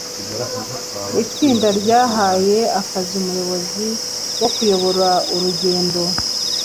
Itsinda ryahaye akazi umuyobozi wo kuyobora urugendo.